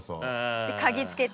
鍵付けて。